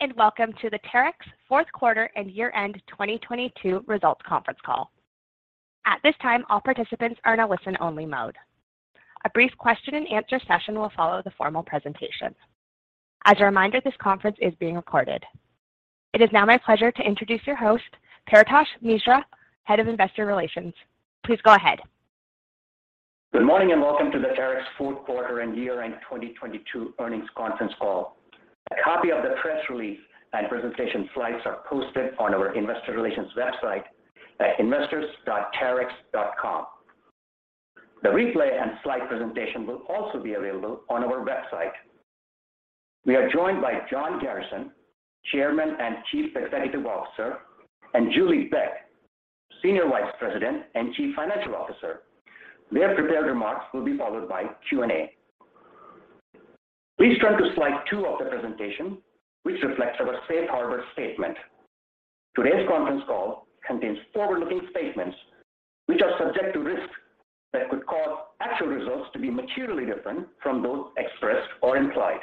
Greetings and welcome to the Terex Q4 and year-end 2022 results conference call. At this time, all participants are in a listen-only mode. A brief question and answer session will follow the formal presentation. As a reminder, this conference is being recorded. It is now my pleasure to introduce your host, Paretosh Misra, Head of Investor Relations. Please go ahead. Good morning and welcome to the Terex Q4 and year-end 2022 earnings conference call. A copy of the press release and presentation slides are posted on our investor relations website at investors.terex.com. The replay and slide presentation will also be available on our website. We are joined by John Garrison, Chairman and Chief Executive Officer, and Julie Beck, Senior Vice President and Chief Financial Officer. Their prepared remarks will be followed by Q&A. Please turn to slide 2 of the presentation, which reflects our safe harbor statement. Today's conference call contains forward-looking statements which are subject to risks that could cause actual results to be materially different from those expressed or implied.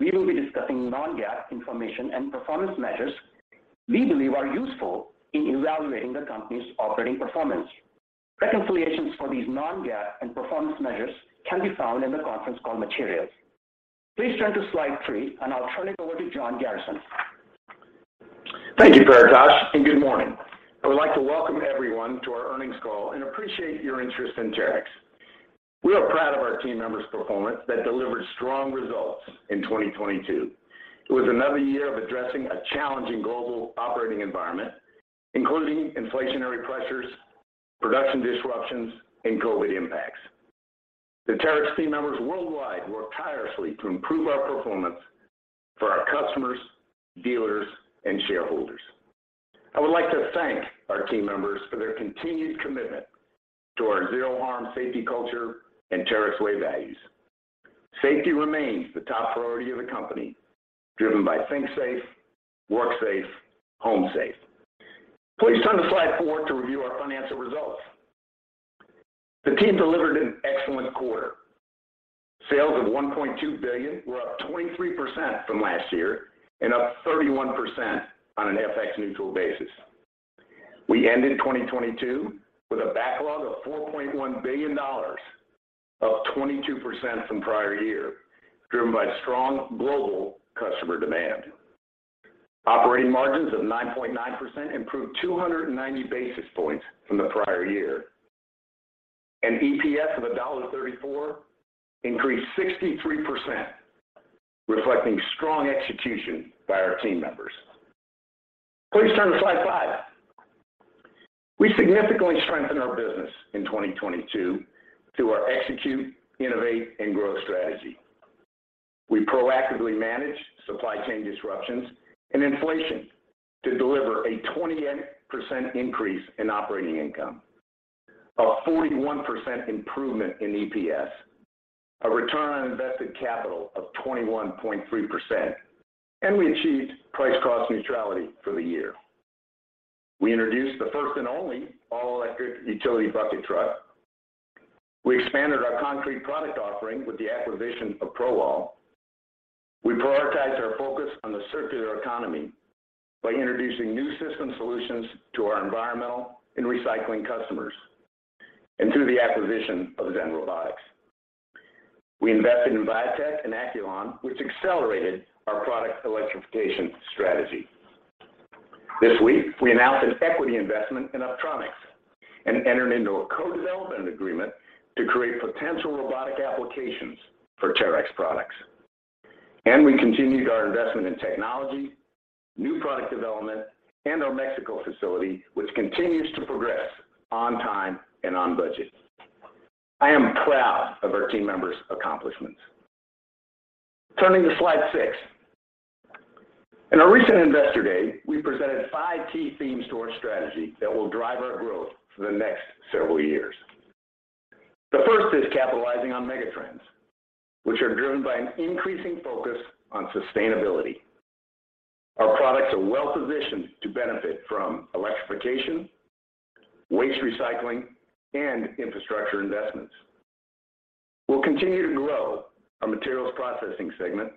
We will be discussing non-GAAP information and performance measures we believe are useful in evaluating the company's operating performance. Reconciliations for these non-GAAP and performance measures can be found in the conference call materials. Please turn to slide three, and I'll turn it over to John Garrison. Thank you, Paretosh, and good morning. I would like to welcome everyone to our earnings call and appreciate your interest in Terex. We are proud of our team members' performance that delivered strong results in 2022. It was another year of addressing a challenging global operating environment, including inflationary pressures, production disruptions, and COVID impacts. The Terex team members worldwide work tirelessly to improve our performance for our customers, dealers, and shareholders. I would like to thank our team members for their continued commitment to our zero harm safety culture and Terex Way values. Safety remains the top priority of the company, driven by think safe, work safe, home safe. Please turn to slide 4 to review our financial results. The team delivered an excellent quarter. Sales of $1.2 billion were up 23% from last year and up 31% on an FX neutral basis. We ended 2022 with a backlog of $4.1 billion, up 22% from prior year, driven by strong global customer demand. Operating margins of 9.9% improved 290 basis points from the prior year. An EPS of $1.34 increased 63%, reflecting strong execution by our team members. Please turn to slide 5. We significantly strengthened our business in 2022 through our execute, innovate, and growth strategy. We proactively managed supply chain disruptions and inflation to deliver a 28% increase in operating income, a 41% improvement in EPS, a return on invested capital of 21.3%, and we achieved price cost neutrality for the year. We introduced the first and only all-electric utility bucket truck. We expanded our concrete product offering with the acquisition of ProAll. We prioritized our focus on the circular economy by introducing new system solutions to our environmental and recycling customers, and through the acquisition of ZenRobotics. We invested in Viatec and Acculon, which accelerated our product electrification strategy. This week, we announced an equity investment in Apptronik and entered into a co-development agreement to create potential robotic applications for Terex products. We continued our investment in technology, new product development, and our Mexico facility, which continues to progress on time and on budget. I am proud of our team members' accomplishments. Turning to slide six. In our recent Investor Day, we presented five key themes to our strategy that will drive our growth for the next several years. The first is capitalizing on mega trends, which are driven by an increasing focus on sustainability. Our products are well-positioned to benefit from electrification, waste recycling, and infrastructure investments. We'll continue to grow our materials processing segment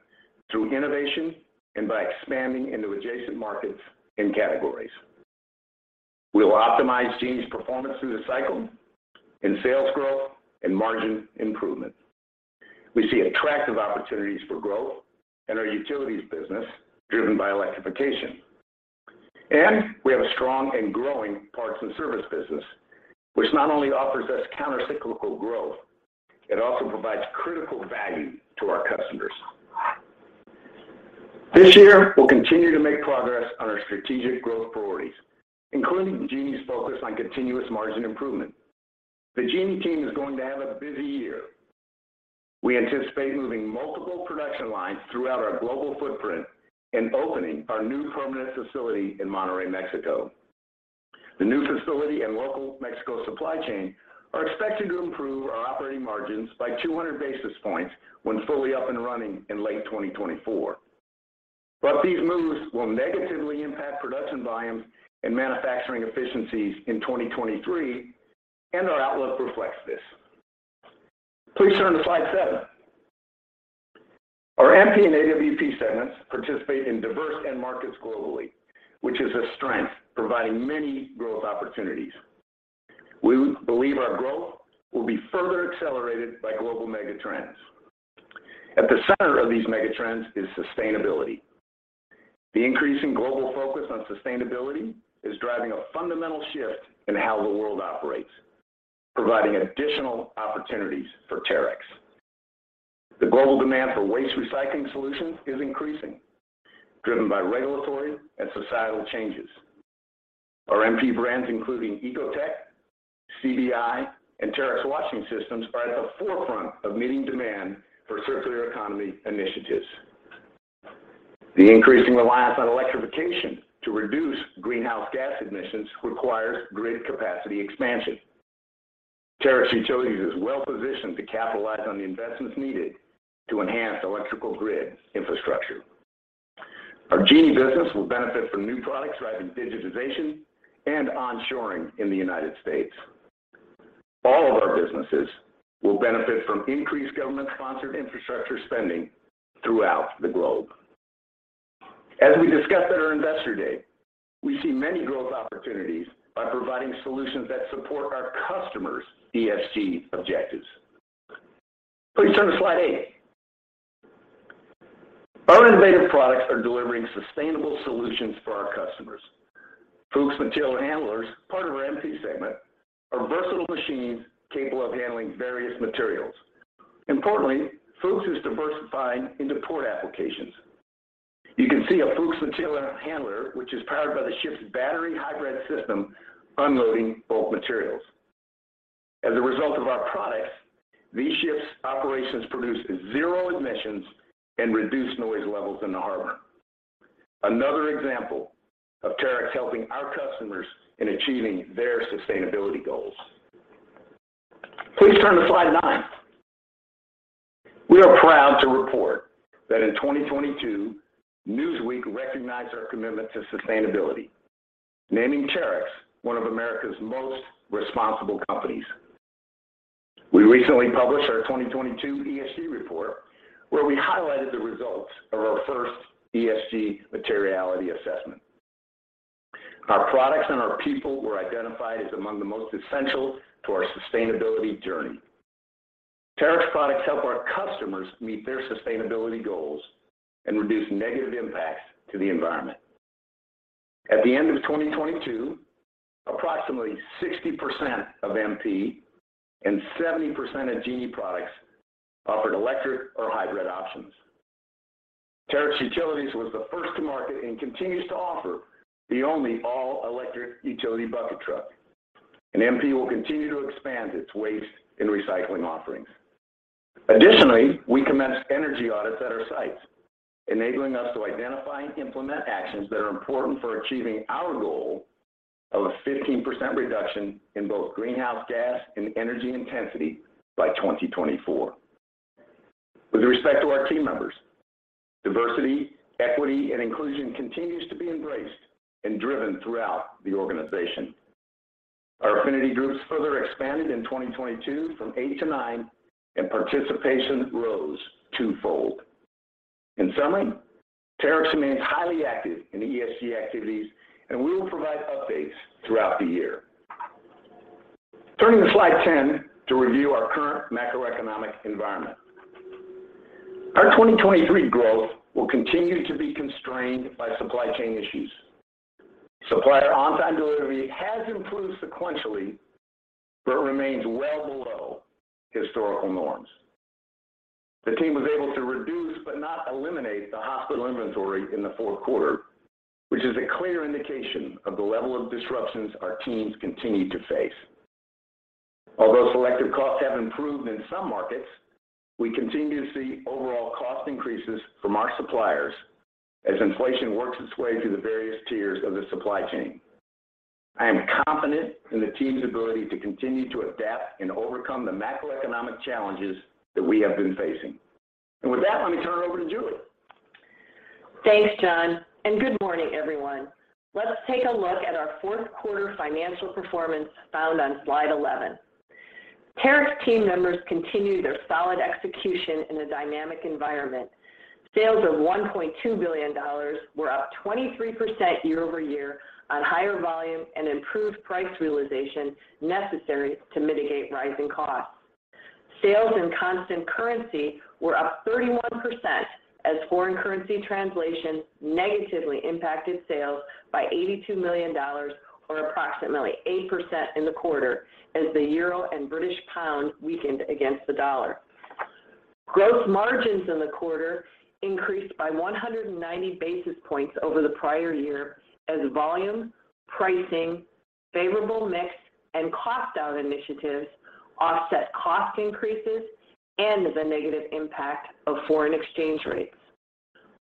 through innovation and by expanding into adjacent markets and categories. We will optimize Genie's performance through the cycle in sales growth and margin improvement. We see attractive opportunities for growth in our utilities business driven by electrification. We have a strong and growing parts and service business, which not only offers us countercyclical growth, it also provides critical value to our customers. This year, we'll continue to make progress on our strategic growth priorities, including Genie's focus on continuous margin improvement. The Genie team is going to have a busy year. We anticipate moving multiple production lines throughout our global footprint and opening our new permanent facility in Monterrey, Mexico. The new facility and local Mexico supply chain are expected to improve our operating margins by 200 basis points when fully up and running in late 2023. These moves will negatively impact production volumes and manufacturing efficiencies in 2023, and our outlook reflects this. Please turn to slide 7. Our MP and AWP segments participate in diverse end markets globally, which is a strength providing many growth opportunities. We believe our growth will be further accelerated by global mega trends. At the center of these mega trends is sustainability. The increasing global focus on sustainability is driving a fundamental shift in how the world operates, providing additional opportunities for Terex. The global demand for waste recycling solutions is increasing, driven by regulatory and societal changes. Our MP brands, including Ecotec, CBI, and Terex Washing Systems are at the forefront of meeting demand for circular economy initiatives. The increasing reliance on electrification to reduce greenhouse gas emissions requires grid capacity expansion. Terex Utilities is well-positioned to capitalize on the investments needed to enhance electrical grid infrastructure. Our Genie business will benefit from new products driving digitization and onshoring in the United States. All of our businesses will benefit from increased government-sponsored infrastructure spending throughout the globe. As we discussed at our Investor Day, we see many growth opportunities by providing solutions that support our customers' ESG objectives. Please turn to slide eight. Our innovative products are delivering sustainable solutions for our customers. Fuchs material handlers, part of our MP segment, are versatile machines capable of handling various materials. Importantly, Fuchs is diversifying into port applications. You can see a Fuchs material handler, which is powered by the ship's battery hybrid system, unloading bulk materials. As a result of our products, these ships' operations produce zero emissions and reduce noise levels in the harbor. Another example of Terex helping our customers in achieving their sustainability goals. Please turn to slide nine. We are proud to report that in 2022, Newsweek recognized our commitment to sustainability, naming Terex one of America's most responsible companies. We recently published our 2022 ESG report, where we highlighted the results of our first ESG materiality assessment. Our products and our people were identified as among the most essential to our sustainability journey. Terex products help our customers meet their sustainability goals and reduce negative impacts to the environment. At the end of 2022, approximately 60% of MP and 70% of Genie products offered electric or hybrid options. Terex Utilities was the first to market and continues to offer the only all-electric utility bucket truck. MP will continue to expand its waste and recycling offerings. Additionally, we commenced energy audits at our sites, enabling us to identify and implement actions that are important for achieving our goal of a 15% reduction in both greenhouse gas and energy intensity by 2024. With respect to our team members, diversity, equity, and inclusion continues to be embraced and driven throughout the organization. Our affinity groups further expanded in 2022 from eight to nine. Participation rose twofold. In summary, Terex remains highly active in ESG activities. We will provide updates throughout the year. Turning to slide 10 to review our current macroeconomic environment. Our 2023 growth will continue to be constrained by supply chain issues. Supplier on-time delivery has improved sequentially, but remains well below historical norms. The team was able to reduce but not eliminate the obsolete inventory in the Q4, which is a clear indication of the level of disruptions our teams continue to face. Although selective costs have improved in some markets, we continue to see overall cost increases from our suppliers as inflation works its way through the various tiers of the supply chain. I am confident in the team's ability to continue to adapt and overcome the macroeconomic challenges that we have been facing. With that, let me turn it over to Julie. Thanks, John, and good morning, everyone. Let's take a look at our Q4 financial performance found on slide 11. Terex team members continued their solid execution in a dynamic environment. Sales of $1.2 billion were up 23% year-over-year on higher volume and improved price realization necessary to mitigate rising costs. Sales in constant currency were up 31% as foreign currency translation negatively impacted sales by $82 million or approximately 8% in the quarter as the euro and British pound weakened against the dollar. Gross margins in the quarter increased by 190 basis points over the prior year as volume, pricing, favorable mix, and cost out initiatives offset cost increases and the negative impact of foreign exchange rates.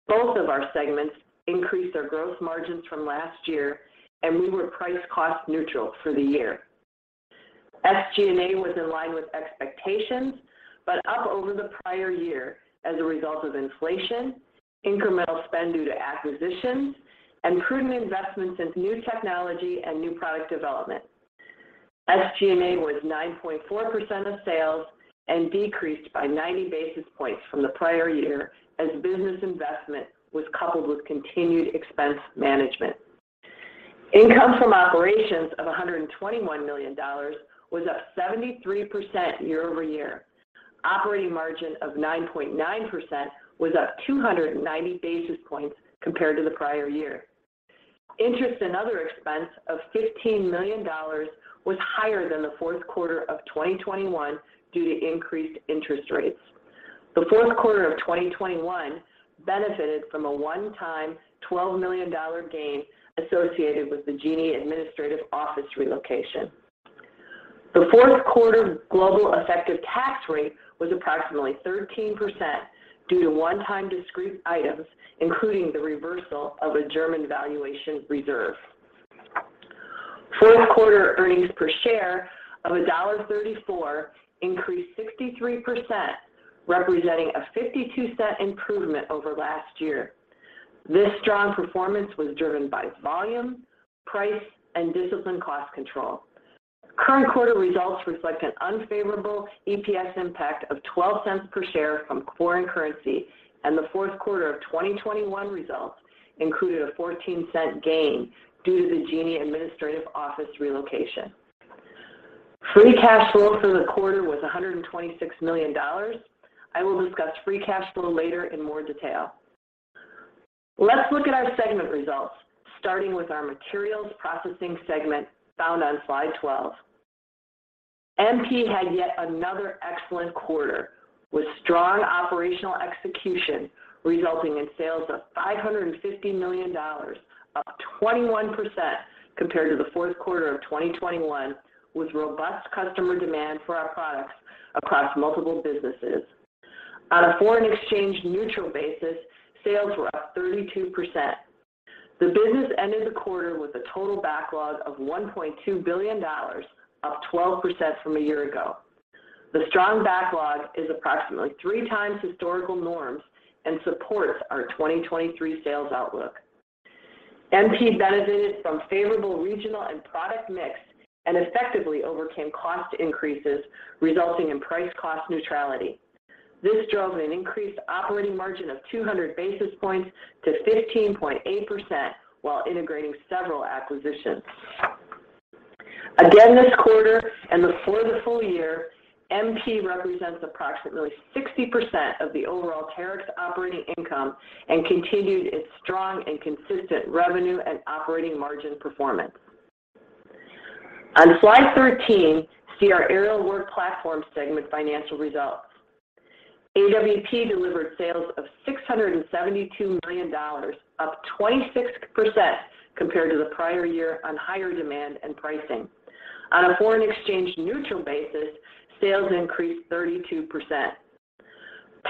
Both of our segments increased their gross margins from last year, and we were price-cost neutral for the year. SG&A was in line with expectations, but up over the prior year as a result of inflation, incremental spend due to acquisitions, and prudent investments in new technology and new product development. SG&A was 9.4% of sales and decreased by 90 basis points from the prior year as business investment was coupled with continued expense management. Income from operations of $121 million was up 73% year-over-year. Operating margin of 9.9% was up 290 basis points compared to the prior year. Interest and other expense of $15 million was higher than the Q4 of 2021 due to increased interest rates. The Q4 of 2021 benefited from a one-time $12 million gain associated with the Genie administrative office relocation. The Q4 global effective tax rate was approximately 13% due to one-time discrete items, including the reversal of a German valuation reserve. Q4 earnings per share of $1.34 increased 63%, representing a $0.52 improvement over last year. This strong performance was driven by volume, price, and disciplined cost control. Current quarter results reflect an unfavorable EPS impact of $0.12 per share from foreign currency, and the Q4 of 2021 results included a $0.14 gain due to the Genie administrative office relocation. Free cash flow for the quarter was $126 million. I will discuss free cash flow later in more detail. Let's look at our segment results, starting with our Materials Processing segment found on slide 12. MP had yet another excellent quarter with strong operational execution resulting in sales of $550 million, up 21% compared to the Q4 of 2021, with robust customer demand for our products across multiple businesses. On a foreign exchange neutral basis, sales were up 32%. The business ended the quarter with a total backlog of $1.2 billion, up 12% from a year ago. The strong backlog is approximately 3x historical norms and supports our 2023 sales outlook. MP benefited from favorable regional and product mix and effectively overcame cost increases resulting in price cost neutrality. This drove an increased operating margin of 200 basis points to 15.8% while integrating several acquisitions. This quarter and for the full year, MP represents approximately 60% of the overall Terex operating income and continued its strong and consistent revenue and operating margin performance. On slide 13, see our Aerial Work Platform segment financial results. AWP delivered sales of $672 million, up 26% compared to the prior year on higher demand and pricing. On a foreign exchange neutral basis, sales increased 32%.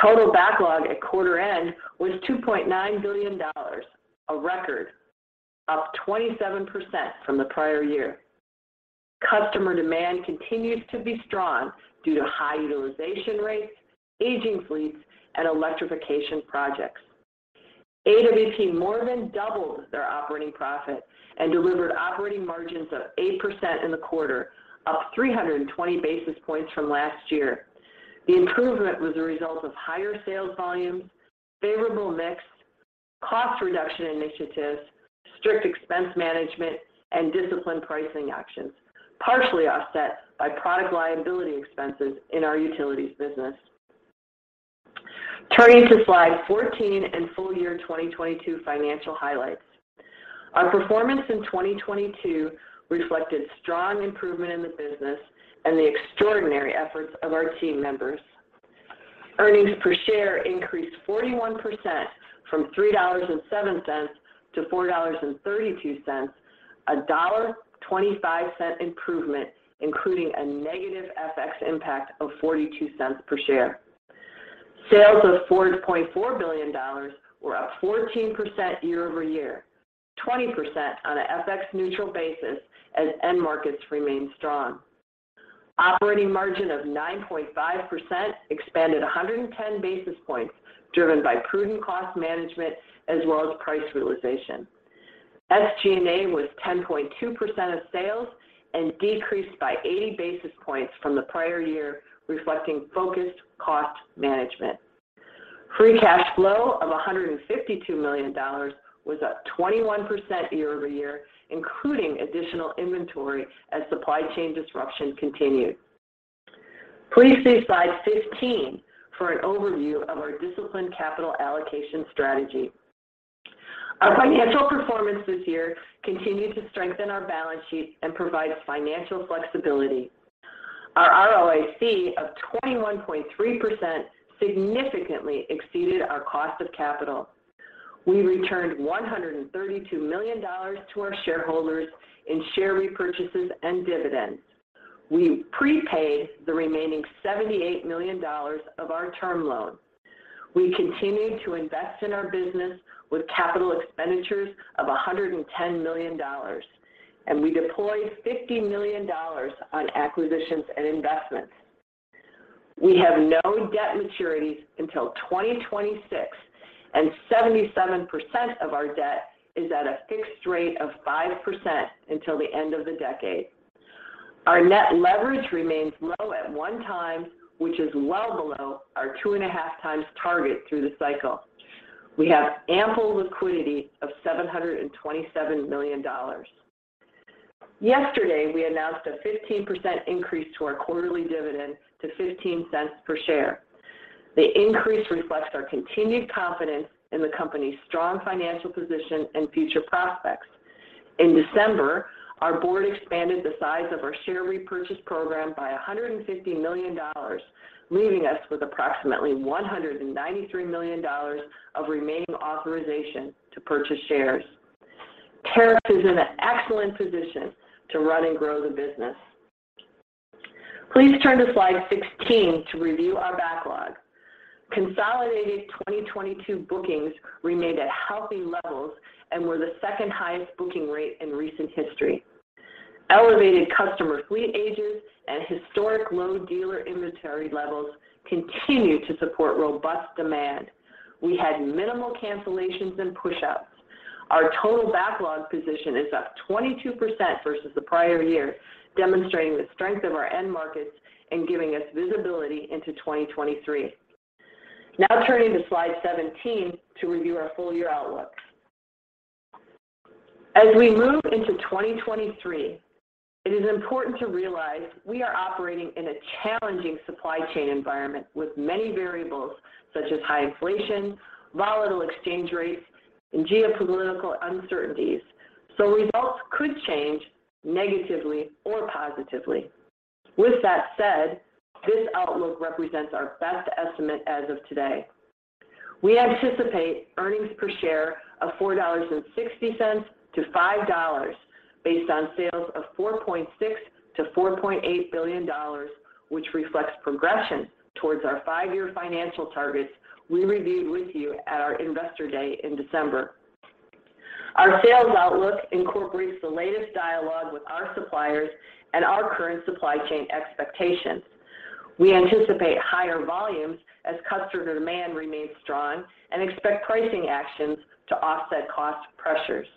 Total backlog at quarter end was $2.9 billion, a record, up 27% from the prior year. Customer demand continues to be strong due to high utilization rates, aging fleets, and electrification projects. AWP more than doubled their operating profit and delivered operating margins of 8% in the quarter, up 320 basis points from last year. The improvement was a result of higher sales volumes, favorable mix, cost reduction initiatives, strict expense management, and disciplined pricing actions, partially offset by product liability expenses in our Utilities business. Turning to slide 14 and full year 2022 financial highlights. Our performance in 2022 reflected strong improvement in the business and the extraordinary efforts of our team members. Earnings per share increased 41% from $3.07 to $4.32, a $1.25 improvement, including a negative FX impact of $0.42 per share. Sales of $4.4 billion were up 14% year-over-year, 20% on an FX neutral basis as end markets remained strong. Operating margin of 9.5% expanded 110 basis points driven by prudent cost management as well as price realization. SG&A was 10.2% of sales and decreased by 80 basis points from the prior year, reflecting focused cost management. Free cash flow of $152 million was up 21% year-over-year, including additional inventory as supply chain disruption continued. Please see slide 15 for an overview of our disciplined capital allocation strategy. Our financial performance this year continued to strengthen our balance sheet and provide financial flexibility. Our ROIC of 21.3% significantly exceeded our cost of capital. We returned $132 million to our shareholders in share repurchases and dividends. We prepaid the remaining $78 million of our term loan. We continued to invest in our business with capital expenditures of $110 million, and we deployed $50 million on acquisitions and investments. We have no debt maturities until 2026, and 77% of our debt is at a fixed rate of 5% until the end of the decade. Our net leverage remains low at 1x, which is well below our 2.5x target through the cycle. We have ample liquidity of $727 million. Yesterday, we announced a 15% increase to our quarterly dividend to $0.15 per share. The increase reflects our continued confidence in the company's strong financial position and future prospects. In December, our board expanded the size of our share repurchase program by $150 million, leaving us with approximately $193 million of remaining authorization to purchase shares. Terex is in an excellent position to run and grow the business. Please turn to slide 16 to review our backlog. Consolidated 2022 bookings remained at healthy levels and were the second-highest booking rate in recent history. Elevated customer fleet ages and historic low dealer inventory levels continued to support robust demand. We had minimal cancellations and pushouts. Our total backlog position is up 22% versus the prior year, demonstrating the strength of our end markets and giving us visibility into 2023. Turning to slide 17 to review our full year outlook. As we move into 2023, it is important to realize we are operating in a challenging supply chain environment with many variables such as high inflation, volatile exchange rates, and geopolitical uncertainties. Results could change negatively or positively. With that said, this outlook represents our best estimate as of today. We anticipate earnings per share of $4.60-$5.00 based on sales of $4.6 billion-$4.8 billion, which reflects progression towards our five-year financial targets we reviewed with you at our Investor Day in December. Our sales outlook incorporates the latest dialogue with our suppliers and our current supply chain expectations. We anticipate higher volumes as customer demand remains strong and expect pricing actions to offset cost pressures.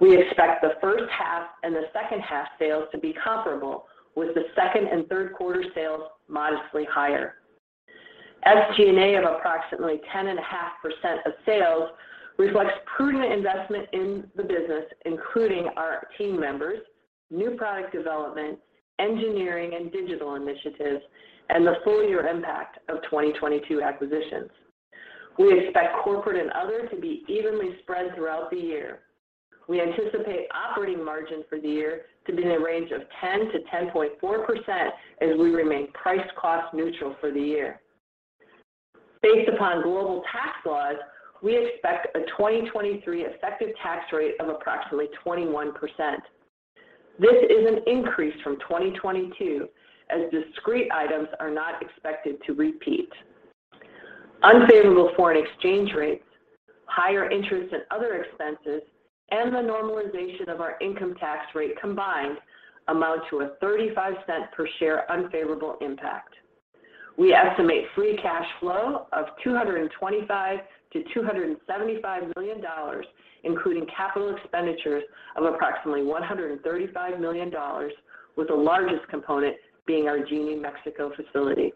We expect the H1 and the H2 sales to be comparable, with the second and Q3 sales modestly higher. SG&A of approximately 10.5% of sales reflects prudent investment in the business, including our team members, new product development, engineering and digital initiatives, and the full year impact of 2022 acquisitions. We expect corporate and other to be evenly spread throughout the year. We anticipate operating margin for the year to be in a range of 10%-10.4% as we remain price-cost neutral for the year. Based upon global tax laws, we expect a 2023 effective tax rate of approximately 21%. This is an increase from 2022 as discrete items are not expected to repeat. Unfavorable foreign exchange rates, higher interest and other expenses, and the normalization of our income tax rate combined amount to a $0.35 per share unfavorable impact. We estimate free cash flow of $225 million-$275 million, including capital expenditures of approximately $135 million, with the largest component being our Genie Mexico facility.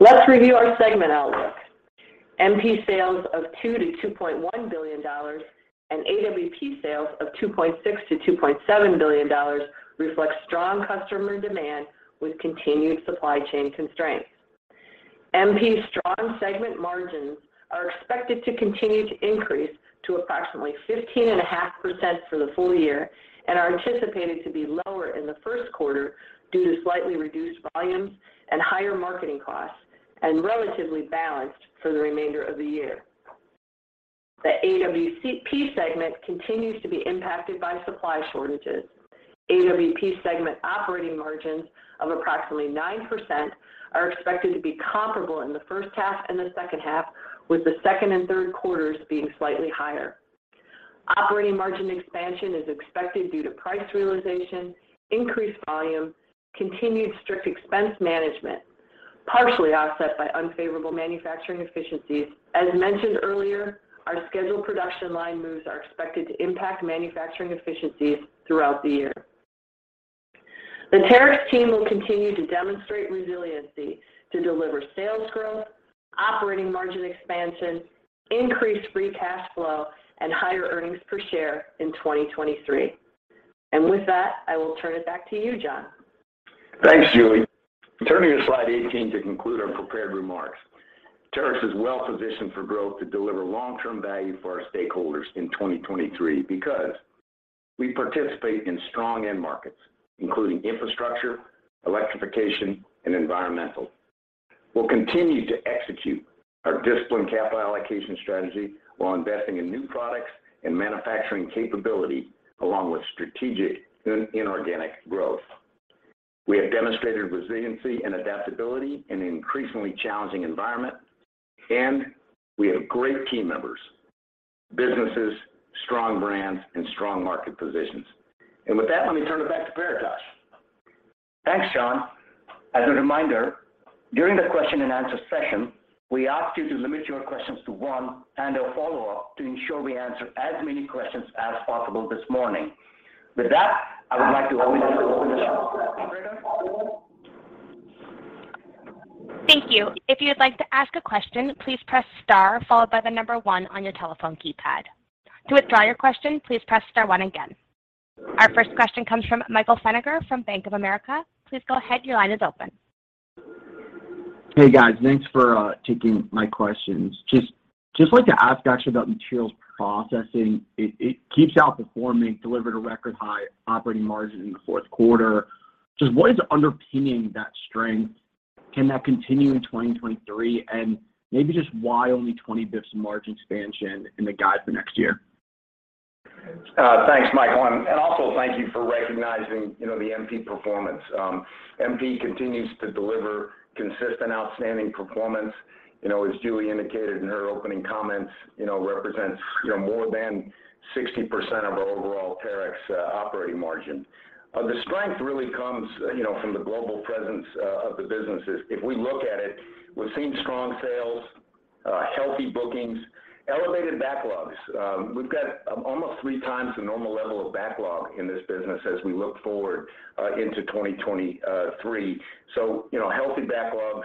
Let's review our segment outlook. MP sales of $2 billion-$2.1 billion and AWP sales of $2.6 billion-$2.7 billion reflect strong customer demand with continued supply chain constraints. MP's strong segment margins are expected to continue to increase to approximately 15.5% for the full year and are anticipated to be lower in the Q1 due to slightly reduced volumes and higher marketing costs, and relatively balanced for the remainder of the year. The AWP segment continues to be impacted by supply shortages. AWP segment operating margins of approximately 9% are expected to be comparable in the H1 and the H2, with the second and third quarters being slightly higher. Operating margin expansion is expected due to price realization, increased volume, continued strict expense management, partially offset by unfavorable manufacturing efficiencies. As mentioned earlier, our scheduled production line moves are expected to impact manufacturing efficiencies throughout the year. The Terex team will continue to demonstrate resiliency to deliver sales growth, operating margin expansion, increased free cash flow, and higher earnings per share in 2023. With that, I will turn it back to you, John. Thanks, Julie. Turning to slide 18 to conclude our prepared remarks. Terex is well positioned for growth to deliver long-term value for our stakeholders in 2023 because we participate in strong end markets, including infrastructure, electrification, and environmental. We'll continue to execute our disciplined capital allocation strategy while investing in new products and manufacturing capability along with strategic inorganic growth. We have demonstrated resiliency and adaptability in an increasingly challenging environment. We have great team members, businesses, strong brands and strong market positions. With that, let me turn it back to Paretosh. Thanks, John. As a reminder, during the question and answer session, we ask you to limit your questions to one and a follow-up to ensure we answer as many questions as possible this morning. With that, I would like to open the Thank you. If you would like to ask a question, please press star followed by the number one on your telephone keypad. To withdraw your question, please press star one again. Our first question comes from Michael Feniger from Bank of America. Please go ahead. Your line is open. Hey, guys. Thanks for taking my questions. Just like to ask actually about Materials Processing. It keeps outperforming, delivered a record high operating margin in the Q4. Just what is underpinning that strength? Can that continue in 2023? Maybe just why only 20 basis points margin expansion in the guide for next year? Thanks, Michael. Also thank you for recognizing, you know, the MP performance. MP continues to deliver consistent outstanding performance. You know, as Julie indicated in her opening comments, you know, represents, you know, more than 60% of our overall Terex operating margin. The strength really comes, you know, from the global presence of the businesses. If we look at it, we're seeing strong sales, healthy bookings, elevated backlogs. We've got almost 3x the normal level of backlog in this business as we look forward into 2023. You know, healthy backlog,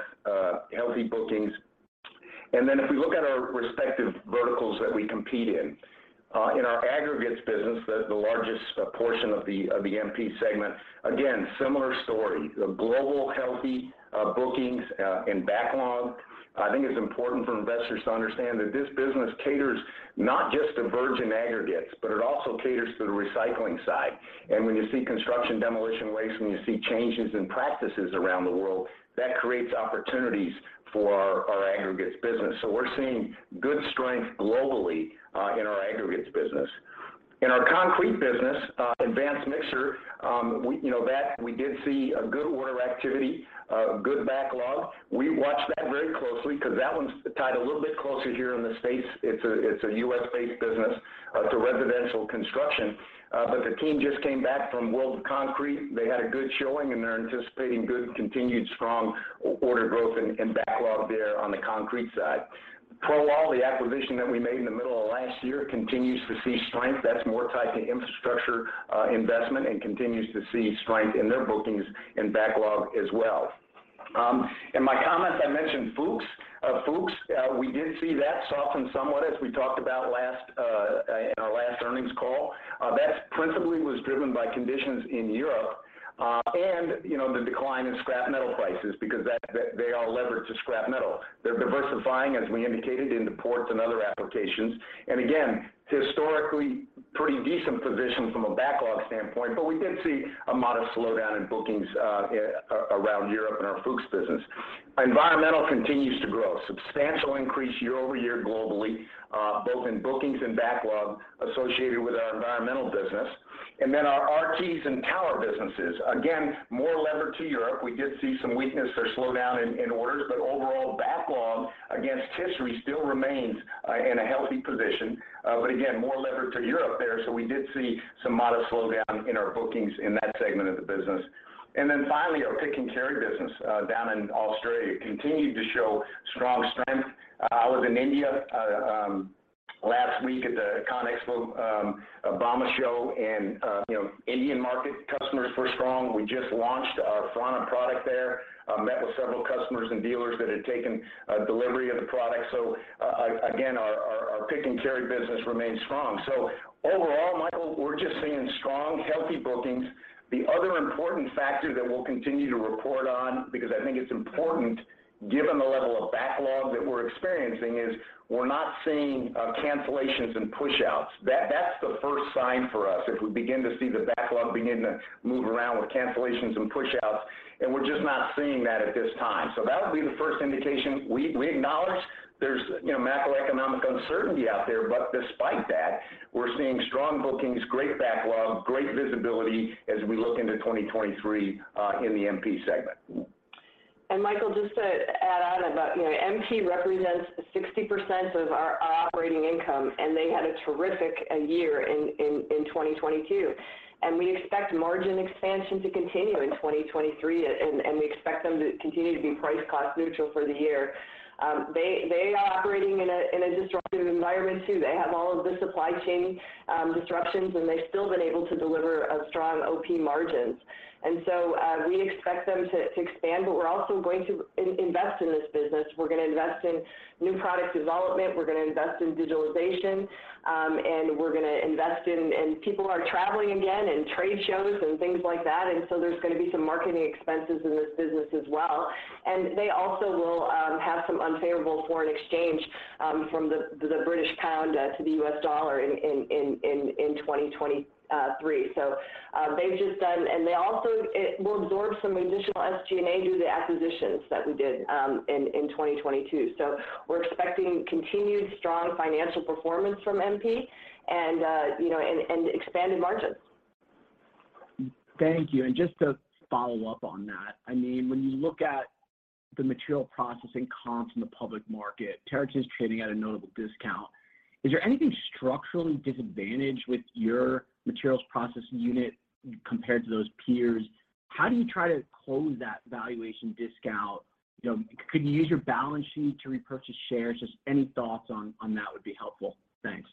healthy bookings. Then if we look at our respective verticals that we compete in. In our aggregates business, the largest portion of the MP segment, again, similar story. The global healthy bookings and backlog. I think it's important for investors to understand that this business caters not just to virgin aggregates, but it also caters to the recycling side. When you see construction demolition waste, when you see changes in practices around the world, that creates opportunities for our aggregates business. We're seeing good strength globally in our aggregates business. In our concrete business, Advance Mixer, we, you know, that we did see a good order activity, good backlog. We watch that very closely because that one's tied a little bit closer here in the States. It's a U.S.-based business to residential construction. The team just came back from World of Concrete. They had a good showing, and they're anticipating good continued strong order growth and backlog there on the concrete side. ProAll, the acquisition that we made in the middle of last year, continues to see strength. That's more tied to infrastructure investment and continues to see strength in their bookings and backlog as well. In my comments, I mentioned Fuchs. Fuchs, we did see that soften somewhat as we talked about last in our last earnings call. That principally was driven by conditions in Europe, and, you know, the decline in scrap metal prices because they are levered to scrap metal. They're diversifying, as we indicated, into ports and other applications. Again, historically pretty decent position from a backlog standpoint, but we did see a modest slowdown in bookings around Europe in our Fuchs business. Environmental continues to grow. Substantial increase year-over-year globally, both in bookings and backlog associated with our environmental business. Our RTs and tower businesses. Again, more levered to Europe. We did see some weakness or slowdown in orders, but overall backlog against history still remains in a healthy position. Again, more levered to Europe there. We did see some modest slowdown in our bookings in that segment of the business. Finally, our pick and carry business down in Australia continued to show strong strength. I was in India last week at the Conexpo Bauma show and, you know, Indian market customers were strong. We just launched our Franna product there. Met with several customers and dealers that had taken delivery of the product. Again, our pick and carry business remains strong. Overall, Michael, we're just seeing strong, healthy bookings. The other important factor that we'll continue to report on, because I think it's important given the level of backlog that we're experiencing, is we're not seeing cancellations and pushouts. That's the first sign for us, if we begin to see the backlog begin to move around with cancellations and pushouts. We're just not seeing that at this time. That'll be the first indication. We acknowledge there's, you know, macroeconomic uncertainty out there, but despite that, we're seeing strong bookings, great backlog, great visibility as we look into 2023, in the MP segment. Michael, just to add on about, you know, MP represents 60% of our operating income, and they had a terrific year in 2022. We expect margin expansion to continue in 2023, and we expect them to continue to be price-cost neutral for the year. They are operating in a disruptive environment too. They have all of the supply chain disruptions, and they've still been able to deliver a strong OP margins. We expect them to expand, but we're also gonna invest in this business. We're gonna invest in new product development. We're gonna invest in digitalization, and we're gonna invest in. People are traveling again and trade shows and things like that. There's gonna be some marketing expenses in this business as well. They also will have some unfavorable foreign exchange from the British pound to the USD in 2023. They've just done. It will absorb some additional SG&A due to the acquisitions that we did in 2022. We're expecting continued strong financial performance from MP and, you know, expanded margins. Thank you. Just to follow up on that, I mean, when you look at the Materials Processing comps in the public market, Terex is trading at a notable discount. Is there anything structurally disadvantaged with your Materials Processing unit compared to those peers? How do you try to close that valuation discount? You know, could you use your balance sheet to repurchase shares? Just any thoughts on that would be helpful. Thanks.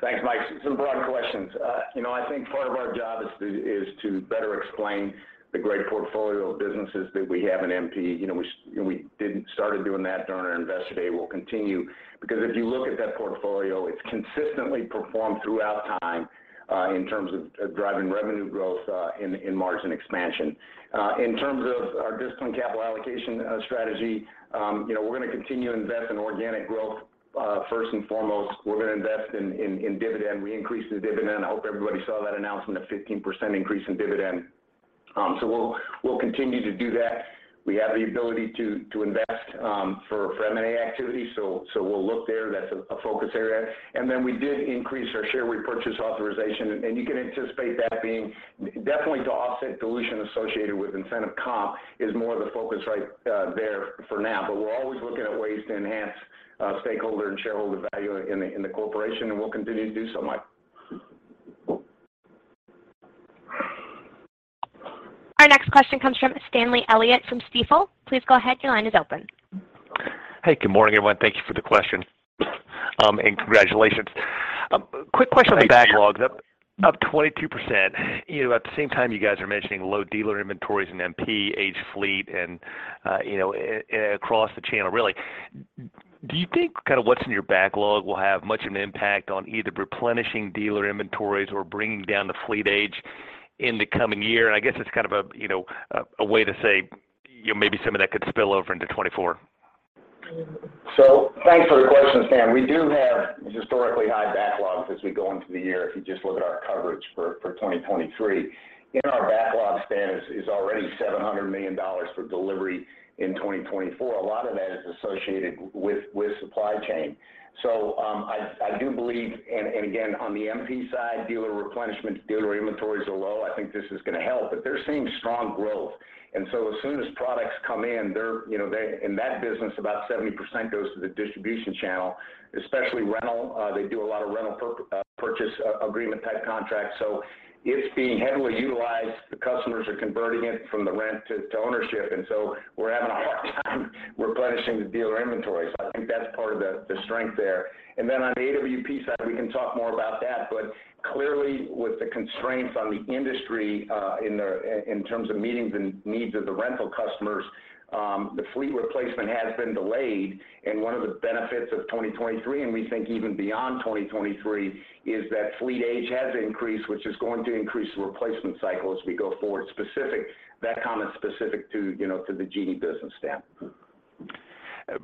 Thanks, Mike. Some broad questions. You know, I think part of our job is to better explain the great portfolio of businesses that we have in MP. You know, we did start doing that during our Investor Day, we'll continue. If you look at that portfolio, it's consistently performed throughout time, in terms of driving revenue growth and margin expansion. In terms of our disciplined capital allocation strategy, you know, we're gonna continue to invest in organic growth. First and foremost, we're gonna invest in dividend. We increased the dividend. I hope everybody saw that announcement of 15% increase in dividend. We'll continue to do that. We have the ability to invest for M&A activity, so we'll look there. That's a focus area. Then we did increase our share repurchase authorization. You can anticipate that being definitely to offset dilution associated with incentive comp is more the focus right there for now. We're always looking at ways to enhance stakeholder and shareholder value in the corporation, and we'll continue to do so, Mike. Our next question comes from Stanley Elliott from Stifel. Please go ahead, your line is open. Hey, good morning, everyone. Thank Thank you for the question. Congratulations. Quick question on the backlogs? Up 22%, you know, at the same time you guys are mentioning low dealer inventories in MP, aged fleet and, you know, across the channel really. Do you think kinda what's in your backlog will have much of an impact on either replenishing dealer inventories or bringing down the fleet age in the coming year? I guess it's kind of a, you know, a way to say, you know, maybe some of that could spill over into 2024. Thanks for the question, Stan. We do have historically high backlogs as we go into the year, if you just look at our coverage for 2023. In our backlog, Stan, is already $700 million for delivery in 2024. A lot of that is associated with supply chain. I do believe and again, on the MP side, dealer replenishment, dealer inventories are low. I think this is gonna help. They're seeing strong growth. As soon as products come in, they're, you know, In that business, about 70% goes to the distribution channel, especially rental. They do a lot of rental purchase agreement type contracts, so it's being heavily utilized. The customers are converting it from the rent to ownership. We're having a hard time replenishing the dealer inventory. I think that's part of the strength there. Then on the AWP side, we can talk more about that, but clearly with the constraints on the industry, in terms of meeting the needs of the rental customers, the fleet replacement has been delayed. One of the benefits of 2023, and we think even beyond 2023, is that fleet age has increased, which is going to increase the replacement cycle as we go forward. That comment's specific to, you know, to the Genie business, Stan.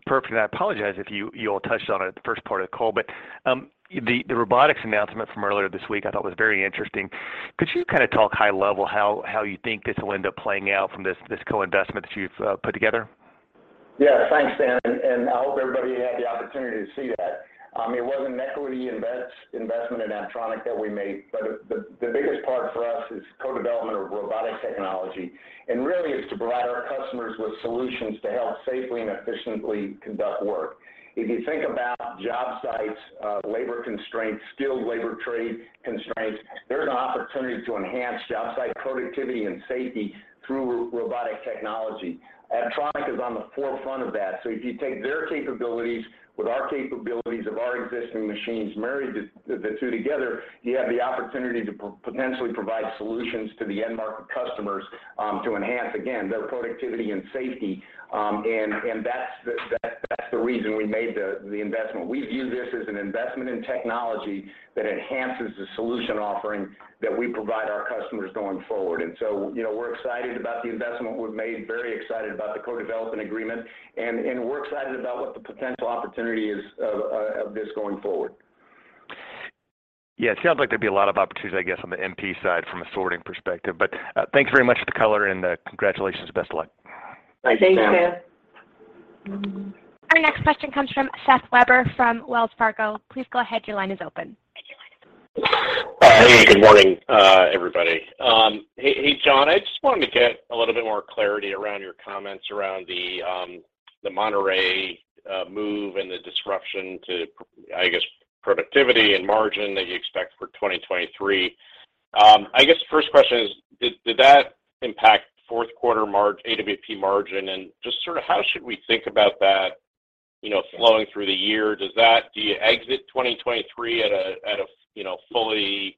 Perfect. I apologize if you all touched on it at the first part of the call, but, the robotics announcement from earlier this week I thought was very interesting. Could you kind of talk high level how you think this will end up playing out from this co-investment that you've put together? Yeah, thanks, Stanley Elliott, and I hope everybody had the opportunity to see that. It was an equity investment in Apptronik that we made, but the biggest part for us is co-development of robotic technology, and really is to provide our customers with solutions to help safely and efficiently conduct work. If you think about job sites, labor constraints, skilled labor trade constraints, there's an opportunity to enhance job site productivity and safety through robotic technology. Apptronik is on the forefront of that. If you take their capabilities with our capabilities of our existing machines, marry the two together, you have the opportunity to potentially provide solutions to the end market customers, to enhance, again, their productivity and safety. That's the reason we made the investment. We view this as an investment in technology that enhances the solution offering that we provide our customers going forward. You know, we're excited about the investment we've made, very excited about the co-development agreement and we're excited about what the potential opportunity is of this going forward. Yeah. It sounds like there'd be a lot of opportunities, I guess, on the MP side from a sorting perspective, but, thanks very much for the color and, congratulations. Best of luck. Thanks, Stan. Our next question comes from Seth Weber from Wells Fargo. Please go ahead, your line is open. Hey, good morning, everybody. Hey, John, I just wanted to get a little bit more clarity around your comments around the Monterrey move and the disruption to I guess, productivity and margin that you expect for 2023. I guess first question is, did that impact Q4 AWP margin? Just sort of how should we think about that, you know, flowing through the year? Do you exit 2023 at a, you know, fully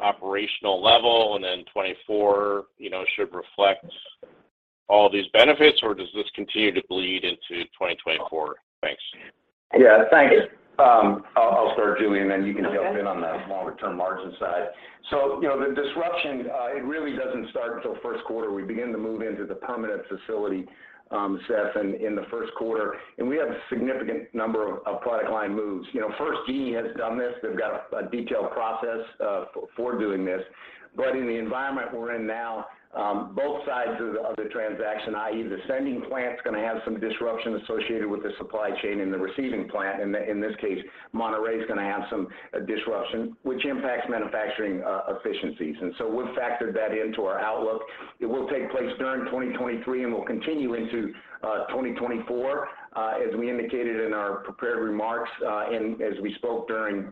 operational level and then 2024, you know, should reflect all these benefits, or does this continue to bleed into 2024? Thanks. Yeah. Thanks. I'll start, Julie, and then you can jump in on the longer-term margin side. You know, the disruption, it really doesn't start until Q1. We begin to move into the permanent facility, Seth, in the Q1, and we have a significant number of product line moves. You know, first Genie has done this. They've got a detailed process for doing this. In the environment we're in now, both sides of the transaction, i.e. the sending plant's gonna have some disruption associated with the supply chain and the receiving plant, in this case, Monterrey, is gonna have some disruption, which impacts manufacturing efficiencies. We've factored that into our outlook. It will take place during 2023, and we'll continue into 2024. As we indicated in our prepared remarks, and as we spoke during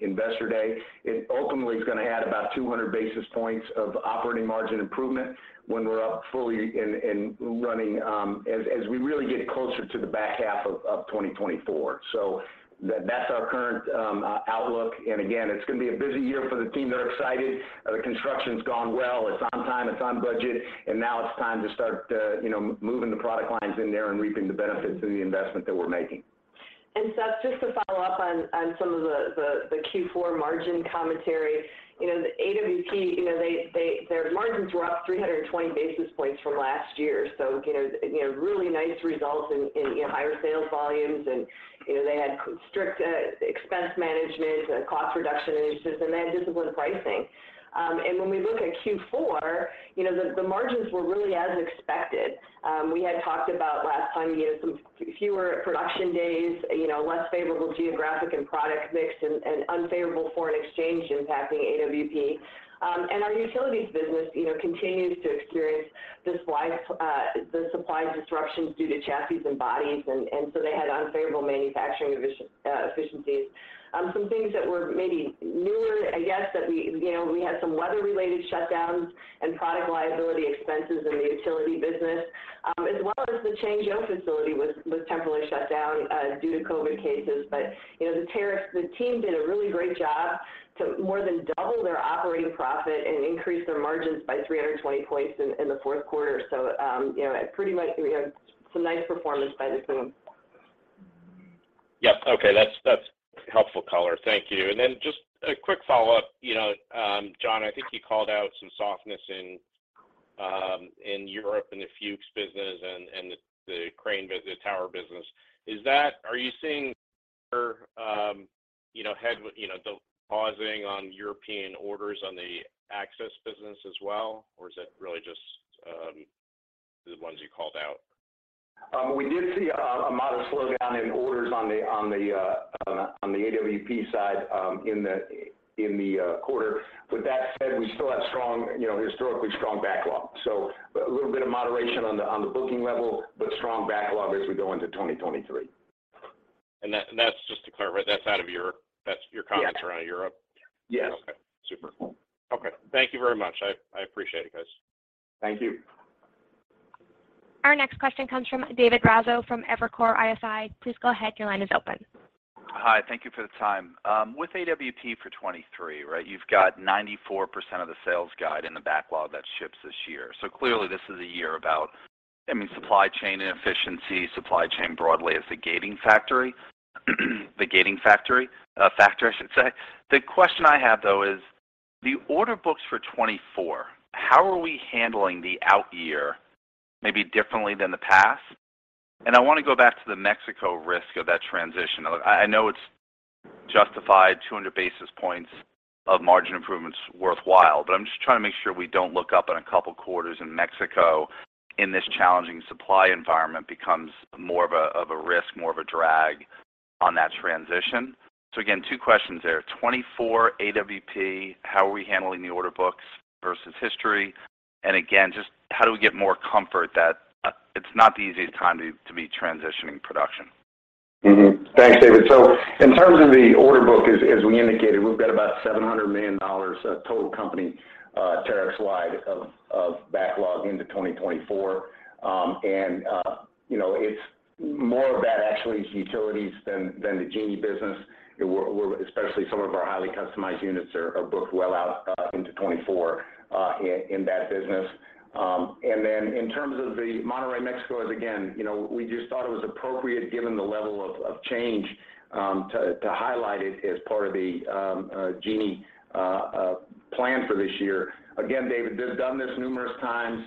Investor Day, it ultimately is gonna add about 200 basis points of operating margin improvement when we're up fully and running, as we really get closer to the back half of 2024. That's our current outlook. Again, it's gonna be a busy year for the team. They're excited. The construction's gone well. It's on time, it's on budget, and now it's time to start, you know, moving the product lines in there and reaping the benefits of the investment that we're making. Seth, just to follow up on some of the Q4 margin commentary. The AWP, their margins were up 320 basis points from last year. Really nice results in higher sales volumes and they had strict expense management and cost reduction initiatives and they had disciplined pricing. When we look at Q4, the margins were really as expected. We had talked about last time, some fewer production days, less favorable geographic and product mix and unfavorable foreign exchange impacting AWP. Our utilities business continues to experience the supply disruptions due to chassis and bodies. They had unfavorable manufacturing efficiencies. Some things that were maybe newer, I guess, that we, you know, we had some weather-related shutdowns and product liability expenses in the utility business, as well as the Changzhou facility was temporarily shut down, due to COVID cases. You know, the team did a really great job to more than double their operating profit and increase their margins by 320 points in the Q4. You know, it pretty much, we had some nice performance by the team. Yep. Okay. That's helpful color. Thank you. Then just a quick follow-up. You know, John, I think you called out some softness in Europe in the Fuchs business and the crane the tower business. Are you seeing, you know, the pausing on European orders on the access business as well? Or is it really just the ones you called out? We did see a modest slowdown in orders on the AWP side in the quarter. With that said, we still have strong, you know, historically strong backlog. A little bit of moderation on the booking level, but strong backlog as we go into 2023. That's just to clarify, that's your comments around Europe? Yes. Okay. Super. Okay. Thank you very much. I appreciate it, guys. Thank you. Our next question comes from David Raso from Evercore ISI. Please go ahead. Your line is open. Hi. Thank you for the time. With AWP for 2023, right, you've got 94% of the sales guide in the backlog that ships this year. Clearly, this is a year about, I mean, supply chain inefficiency, supply chain broadly is the gating factor, I should say. The question I have, though is, the order books for 2024, how are we handling the out year maybe differently than the past? I wanna go back to the Mexico risk of that transition. I know it's justified, 200 basis points of margin improvement's worthwhile, but I'm just trying to make sure we don't look up in a couple quarters and Mexico in this challenging supply environment becomes more of a risk, more of a drag on that transition. Again, two questions there. 24 AWP, how are we handling the order books versus history? Again, just how do we get more comfort that it's not the easiest time to be transitioning production? Thanks, David Raso. In terms of the order book, as we indicated, we've got about $700 million of total company tariff slide of backlog into 2024. You know, it's more of that actually is utilities than the Genie business, where especially some of our highly customized units are booked well out into 2024 in that business. In terms of the Monterrey, Mexico, as again, you know, we just thought it was appropriate given the level of change to highlight it as part of the Genie plan for this year. Again, David, we've done this numerous times.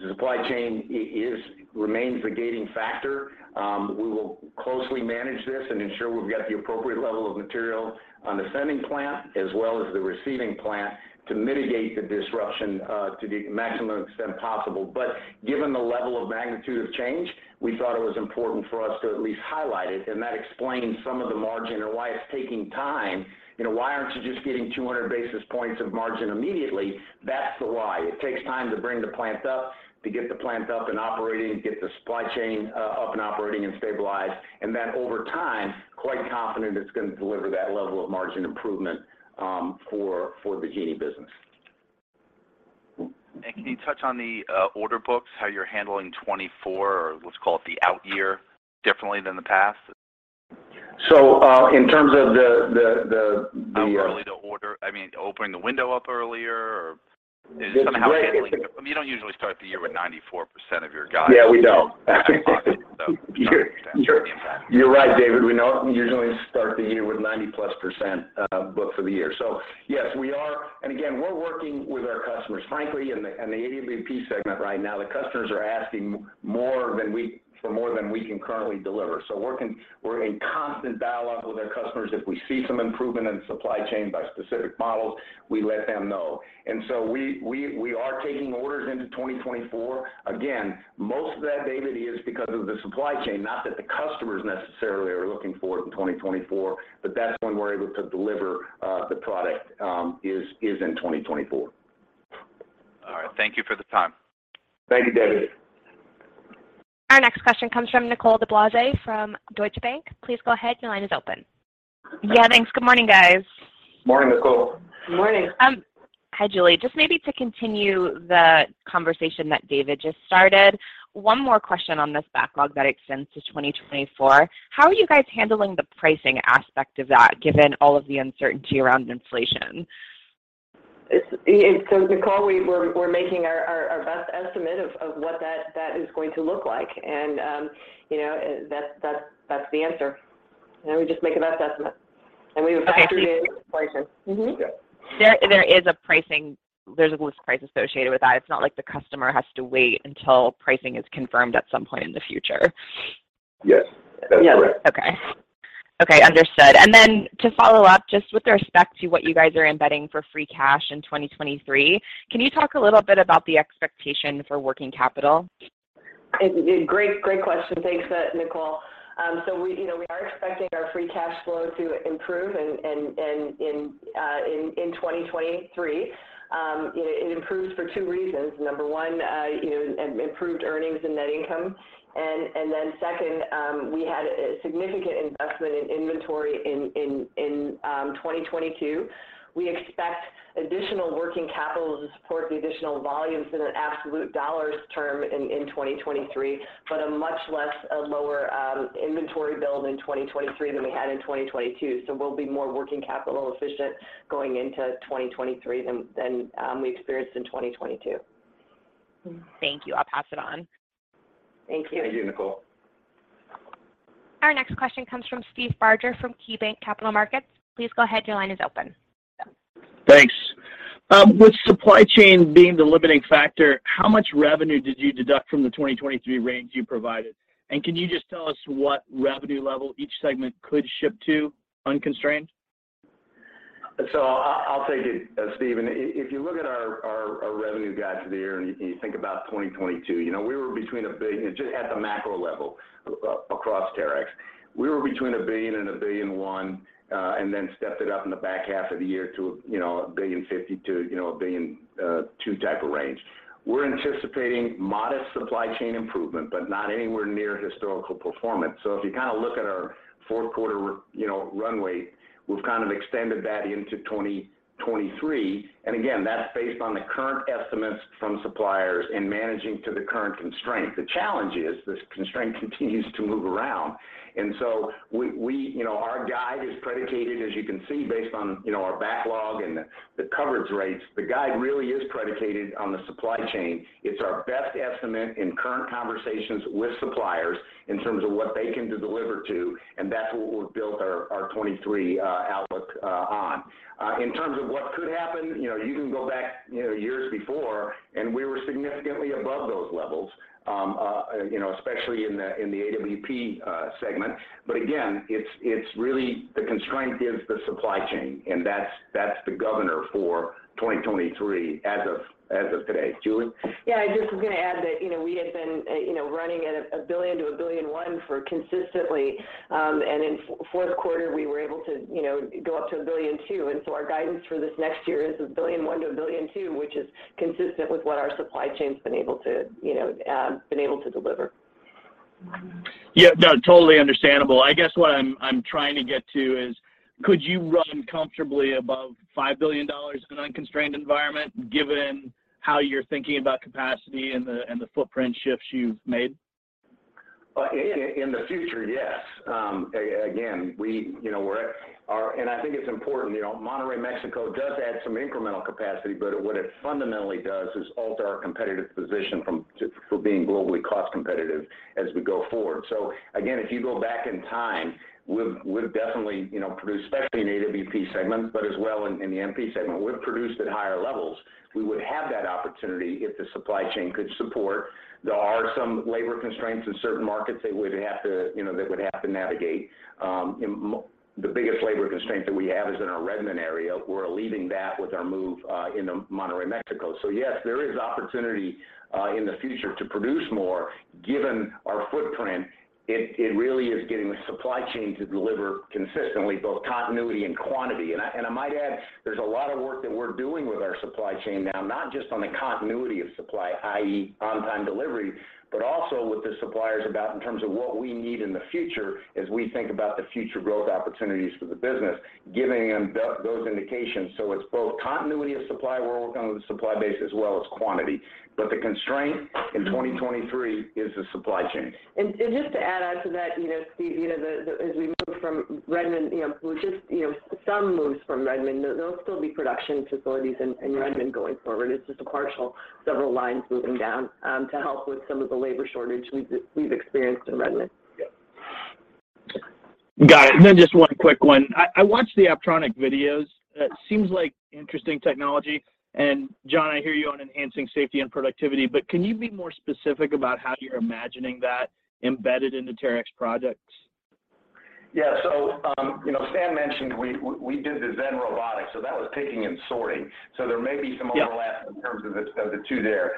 The supply chain remains the gating factor. We will closely manage this and ensure we've got the appropriate level of material on the sending plant as well as the receiving plant to mitigate the disruption to the maximum extent possible. Given the level of magnitude of change, we thought it was important for us to at least highlight it, and that explains some of the margin or why it's taking time. You know, why aren't you just getting 200 basis points of margin immediately? That's the why. It takes time to bring the plants up, to get the plants up and operating, get the supply chain up and operating and stabilized. Then over time, quite confident it's gonna deliver that level of margin improvement for the Genie business. Can you touch on the order books, how you're handling 24 or let's call it the out year differently than the past? In terms of the. How early the order... I mean, opening the window up earlier or is somehow handling it. I mean, you don't usually start the year with 94% of your guide- Yeah, we don't. backlog, I'm curious to understand the impact. You're right, David. We don't usually start the year with 90+% booked for the year. Yes, we are. We're working with our customers. Frankly, in the AWP segment right now, the customers are asking for more than we can currently deliver. We're in constant dialogue with our customers. If we see some improvement in supply chain by specific models, we let them know. We are taking orders into 2024. Most of that, David, is because of the supply chain, not that the customers necessarily are looking for it in 2024, but that's when we're able to deliver the product is in 2024. All right. Thank you for the time. Thank you, David. Our next question comes from Nicole DeBlase from Deutsche Bank. Please go ahead, your line is open. Yeah, thanks. Good morning, guys. Morning, Nicole. Good morning. Hi, Julie. Just maybe to continue the conversation that David just started, one more question on this backlog that extends to 2024. How are you guys handling the pricing aspect of that, given all of the uncertainty around inflation? Nicole, we're making our best estimate of what that is going to look like. You know, that's the answer. You know, we just make a best estimate. We would factor in inflation. There's a list price associated with that. It's not like the customer has to wait until pricing is confirmed at some point in the future. Yes, that's correct. Okay. Okay, understood. To follow up, just with respect to what you guys are embedding for free cash in 2023, can you talk a little bit about the expectation for working capital? Great question. Thanks, Nicole. We, you know, we are expecting our free cash flow to improve in 2023. It improves for two reasons. Number one, you know, improved earnings and net income. Then second, we had a significant investment in inventory in 2022. We expect additional working capital to support the additional volumes in an absolute dollars term in 2023, but a much less, a lower inventory build in 2023 than we had in 2022. We'll be more working capital efficient going into 2023 than we experienced in 2022. Thank you. I'll pass it on. Thank you. Thank you, Nicole. Our next question comes from Steve Barger from KeyBanc Capital Markets. Please go ahead, your line is open. Thanks. With supply chain being the limiting factor, how much revenue did you deduct from the 2023 range you provided? Can you just tell us what revenue level each segment could ship to unconstrained? I'll take it, Steve. If you look at our revenue guide for the year, and you think about 2022, you know, we were between $1 billion... Just at the macro level across Terex, we were between $1 billion and $1.1 billion, and then stepped it up in the back half of the year to, you know, $1.05 billion to, you know, $1.2 billion type of range. We're anticipating modest supply chain improvement, but not anywhere near historical performance. If you kind of look at our Q4, you know, runway, we've kind of extended that into 2023. Again, that's based on the current estimates from suppliers and managing to the current constraint. The challenge is this constraint continues to move around. We... You know, our guide is predicated, as you can see based on, you know, our backlog and the coverage rates. The guide really is predicated on the supply chain. It's our best estimate in current conversations with suppliers in terms of what they can deliver to, that's what we've built our 2023 outlook on. In terms of what could happen, you know, you can go back, you know, years before, and we were significantly above those levels, you know, especially in the AWP segment. Again, it's really the constraint is the supply chain, and that's the governor for 2023 as of today. Julie? Yeah, I just was gonna add that, you know, we had been, you know, running at $1 billion-$1.1 billion for consistently. In Q4, we were able to, you know, go up to $1.2 billion. Our guidance for this next year is $1.1 billion-$1.2 billion, which is consistent with what our supply chain's been able to, you know, been able to deliver. Yeah, no, totally understandable. I guess what I'm trying to get to is could you run comfortably above $5 billion in an unconstrained environment, given how you're thinking about capacity and the footprint shifts you've made? In the future, yes. Again, we, you know, we're at our... I think it's important, you know, Monterrey, Mexico does add some incremental capacity, but what it fundamentally does is alter our competitive position for being globally cost competitive as we go forward. Again, if you go back in time, we've definitely, you know, produced, especially in AWP segments, but as well in the MP segment, we've produced at higher levels. We would have that opportunity if the supply chain could support. There are some labor constraints in certain markets that we'd have to, you know, navigate. And the biggest labor constraint that we have is in our Redmond area. We're relieving that with our move into Monterrey, Mexico. Yes, there is opportunity in the future to produce more. Given our footprint, it really is getting the supply chain to deliver consistently both continuity and quantity. I might add, there's a lot of work that we're doing with our supply chain now, not just on the continuity of supply, i.e., on-time delivery, but also with the suppliers about in terms of what we need in the future as we think about the future growth opportunities for the business, giving them those indications. It's both continuity of supply, we're working on the supply base, as well as quantity. The constraint in 2023 is the supply chain. Just to add on to that, you know, Steve, you know, As we move from Redmond, you know, we're just, you know, some moves from Redmond. There, there'll still be production facilities in Redmond going forward. It's just a partial, several lines moving down to help with some of the labor shortage we've experienced in Redmond. Yeah. Got it. Then just one quick one. I watched the Apptronik videos. It seems like interesting technology, and John, I hear you on enhancing safety and productivity, but can you be more specific about how you're imagining that embedded into Terex projects? Yeah. You know, Stan mentioned we did the ZenRobotics, that was picking and sorting. There may be some overlap. Yeah... In terms of the, of the two there.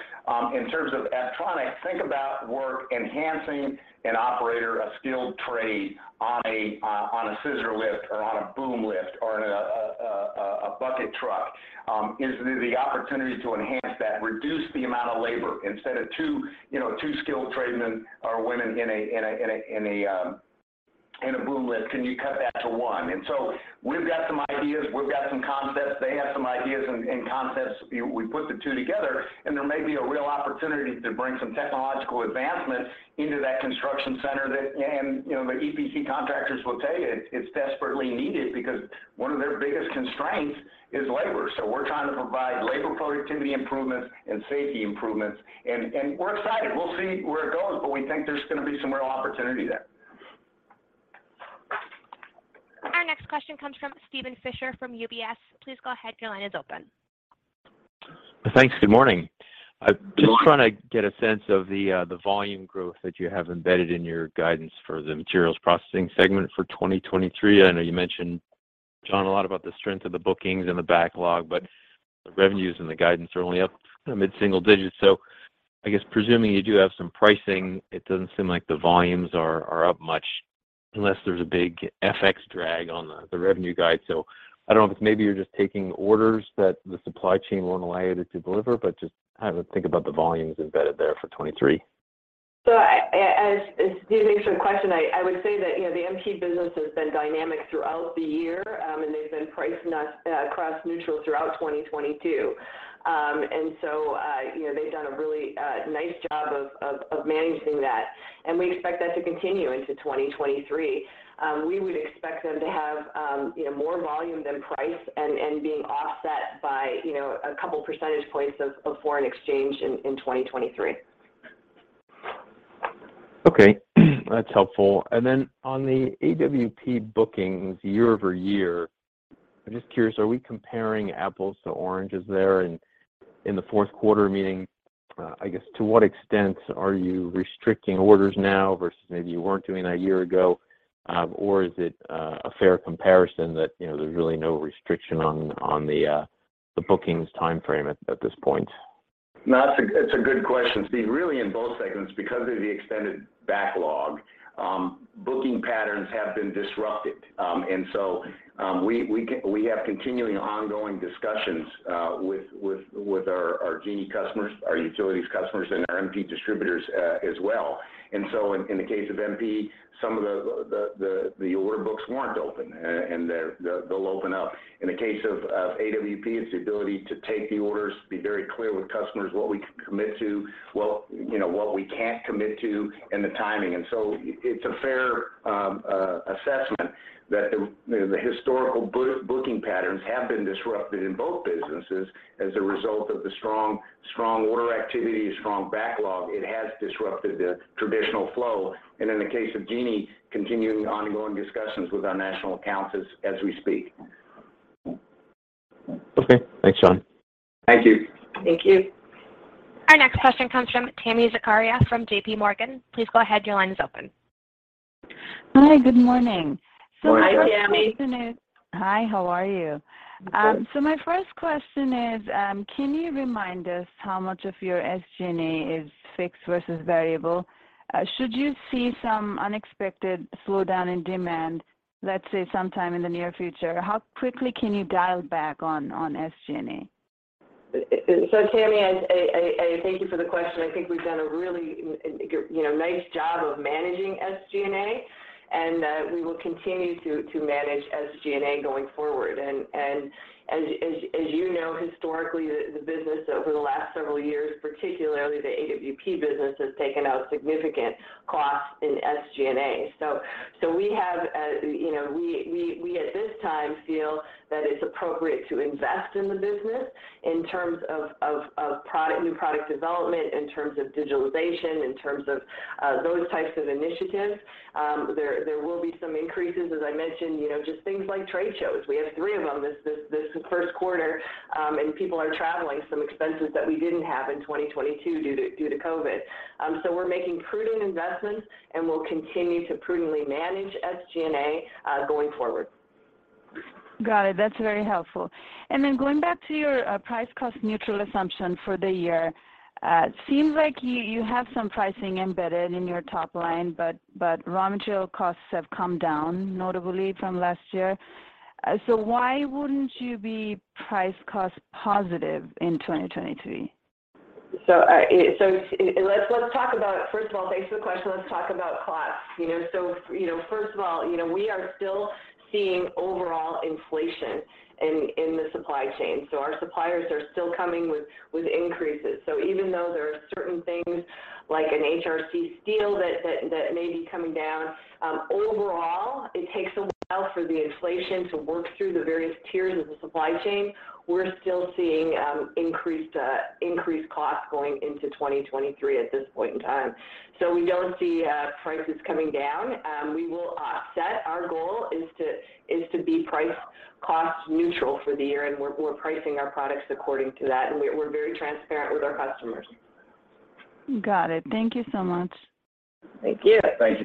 In terms of Apptronik, think about we're enhancing an operator, a skilled trade on a scissor lift or on a boom lift or in a bucket truck. Is the opportunity to enhance that, reduce the amount of labor instead of two, you know, two skilled tradesmen or women in a boom lift, can you cut that to one? So we've got some ideas. We've got some concepts. They have some ideas and concepts. We, we put the two together, and there may be a real opportunity to bring some technological advancements into that construction center that. You know, the EPC contractors will tell you it's desperately needed because one of their biggest constraints is labor. We're trying to provide labor productivity improvements and safety improvements, and we're excited. We'll see where it goes, but we think there's gonna be some real opportunity there. Our next question comes from Steven Fisher from UBS. Please go ahead. Your line is open. Thanks. Good morning. Good morning. I'm just trying to get a sense of the volume growth that you have embedded in your guidance for the Materials Processing segment for 2023. I know you mentioned, John, a lot about the strength of the bookings and the backlog, the revenues and the guidance are only up kind of mid-single digits. I guess presuming you do have some pricing, it doesn't seem like the volumes are up much unless there's a big FX drag on the revenue guide. I don't know if it's maybe you're just taking orders that the supply chain won't allow you to deliver, just kind of think about the volumes embedded there for 2023. As Steve makes your question, I would say that, you know, the MP business has been dynamic throughout the year, and they've been price cost neutral throughout 2022. You know, they've done a really nice job of managing that, and we expect that to continue into 2023. We would expect them to have, you know, more volume than price and being offset by, you know, a couple percentage points of foreign exchange in 2023. Okay. That's helpful. On the AWP bookings year-over-year, I'm just curious, are we comparing apples to oranges there in the Q4? Meaning, I guess to what extent are you restricting orders now versus maybe you weren't doing that a year ago? Or is it a fair comparison that, you know, there's really no restriction on the bookings timeframe at this point? That's a good question, Steve. Really in both segments because of the extended backlog, booking patterns have been disrupted. We have continuing ongoing discussions with our Genie customers, our Utilities customers, and our MP distributors as well. In the case of MP, some of the order books weren't open, and they'll open up. In the case of AWP, it's the ability to take the orders, be very clear with customers what we can commit to, what, you know, what we can't commit to, and the timing. It's a fair assessment that, you know, the historical booking patterns have been disrupted in both businesses as a result of the strong order activity, strong backlog. It has disrupted the traditional flow. In the case of Genie, continuing ongoing discussions with our national accounts as we speak. Okay. Thanks, John. Thank you. Thank you. Our next question comes from Tami Zakaria from J.P. Morgan. Please go ahead. Your line is open. Hi. Good morning. Morning, Tami. Hi, Tami. Hi. How are you? Good. My first question is, can you remind us how much of your SG&A is fixed versus variable? Should you see some unexpected slowdown in demand, let's say sometime in the near future, how quickly can you dial back on SG&A? Tami, I thank you for the question. I think we've done a really you know, nice job of managing SG&A, and we will continue to manage SG&A going forward. As you know historically, the business over the last several years, particularly the AWP business, has taken out significant costs in SG&A. We have, you know, we at this time feel that it's appropriate to invest in the business in terms of product, new product development, in terms of digitalization, in terms of those types of initiatives. There will be some increases, as I mentioned, you know, just things like trade shows. We have three of them this Q1, and people are traveling, some expenses that we didn't have in 2022 due to COVID. We're making prudent investments, and we'll continue to prudently manage SG&A, going forward. Got it. That's very helpful. Going back to your price cost neutral assumption for the year, seems like you have some pricing embedded in your top line, but raw material costs have come down notably from last year. Why wouldn't you be price cost positive in 2023? Let's talk about. First of all, thanks for the question. Let's talk about costs. First of all, you know, we are still seeing overall inflation in the supply chain, so our suppliers are still coming with increases. Even though there are certain things like an HRC steel that may be coming down, overall, it takes a while for the inflation to work through the various tiers of the supply chain. We're still seeing increased costs going into 2023 at this point in time. We don't see prices coming down. We will offset. Our goal is to be price cost neutral for the year, and we're pricing our products according to that, and we're very transparent with our customers. Got it. Thank you so much. Thank you. Thank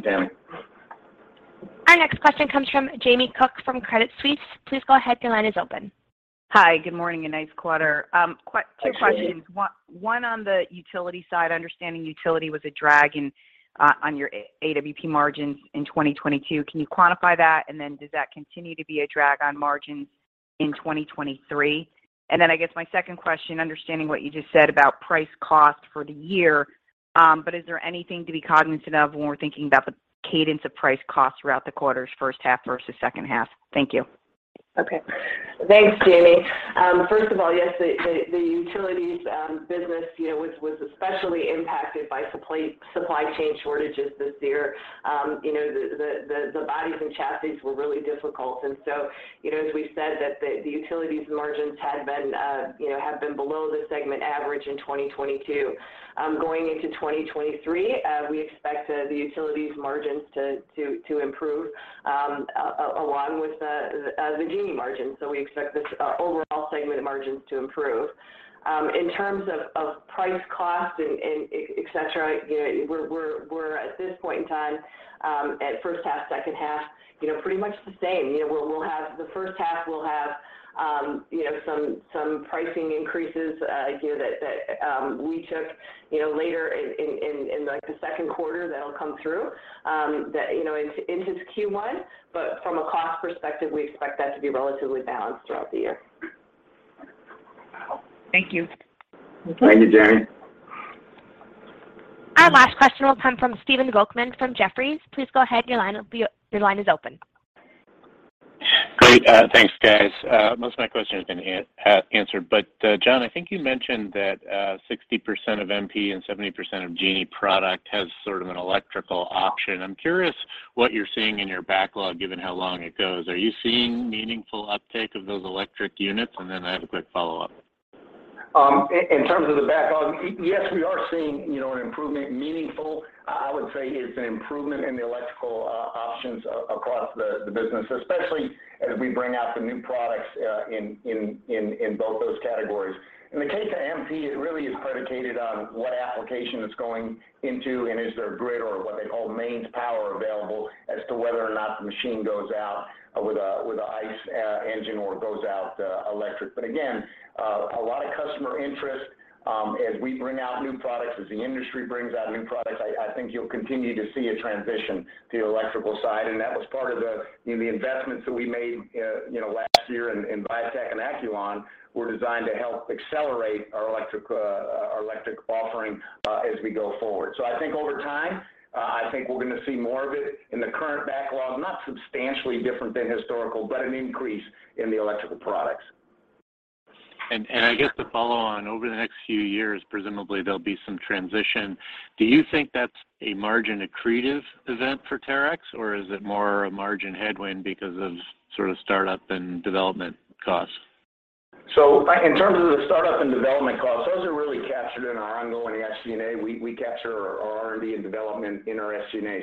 you, Tami. Our next question comes from Jamie Cook from Credit Suisse. Please go ahead. Your line is open. Hi. Good morning, nice quarter. two questions. One on the utility side, understanding utility was a drag on your AWP margins in 2022. Can you quantify that? Does that continue to be a drag on margins in 2023? I guess my second question, understanding what you just said about price cost for the year, is there anything to be cognizant of when we're thinking about the cadence of price cost throughout the quarter's H1 versus H2? Thank you. Okay. Thanks, Jamie. First of all, yes, the utilities business, you know, was especially impacted by supply chain shortages this year. You know, the bodies and chassis were really difficult. You know, as we said that the utilities margins had been, you know, have been below the segment average in 2022. Going into 2023, we expect the utilities margins to improve along with the Genie margins. We expect this overall segment margins to improve. In terms of price cost and et cetera, you know, we're at this point in time at H1, H2, you know, pretty much the same. You know, we'll have the H1 will have, you know, some pricing increases, you know, that we took, you know, later in, like, the second quarter that'll come through, that, you know, into Q1. From a cost perspective, we expect that to be relatively balanced throughout the year. Thank you. Okay. Thank you, Jamie. Our last question will come from Stephen Volkmann from Jefferies. Please go ahead. Your line is open. Great. Thanks, guys. Most of my questions have been answered. John, I think you mentioned that, 60% of MP and 70% of Genie product has sort of an electrical option. I'm curious what you're seeing in your backlog, given how long it goes. Are you seeing meaningful uptake of those electric units? Then I have a quick follow-up. In terms of the backlog, yes, we are seeing, you know, an improvement. Meaningful, I would say, is an improvement in the electrical options across the business, especially as we bring out the new products in both those categories. In the case of MP, it really is predicated on what application it's going into and is there grid or what they call mains power available as to whether or not the machine goes out with a ICE engine or goes out electric. Again, a lot of customer interest, as we bring out new products, as the industry brings out new products, I think you'll continue to see a transition to the electrical side. That was part of the, you know, the investments that we made, you know, last year in Viatec and Acculon were designed to help accelerate our electric, our electric offering, as we go forward. I think over time, I think we're gonna see more of it in the current backlog, not substantially different than historical, but an increase in the electrical products. I guess the follow on, over the next few years, presumably there'll be some transition. Do you think that's a margin accretive event for Terex, or is it more a margin headwind because of sort of startup and development costs? In terms of the startup and development costs, those are really captured in our ongoing SG&A. We capture our R&D and development in our SG&A.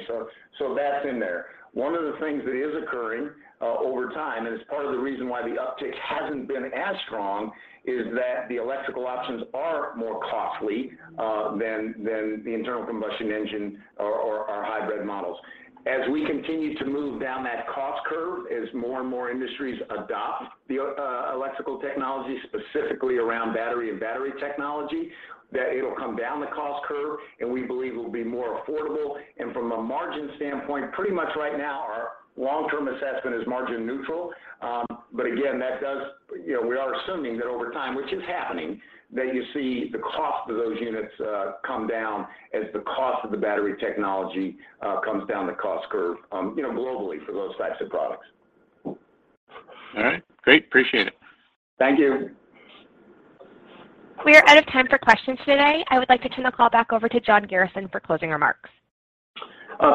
That's in there. One of the things that is occurring over time, and it's part of the reason why the uptick hasn't been as strong, is that the electrical options are more costly than the internal combustion engine or our hybrid models. As we continue to move down that cost curve, as more and more industries adopt the electrical technology, specifically around battery and battery technology, that it'll come down the cost curve, and we believe it will be more affordable. From a margin standpoint, pretty much right now our long-term assessment is margin neutral. Again, that does... You know, we are assuming that over time, which is happening, that you see the cost of those units come down as the cost of the battery technology comes down the cost curve, you know, globally for those types of products. All right. Great. Appreciate it. Thank you. We are out of time for questions today. I would like to turn the call back over to John Garrison for closing remarks.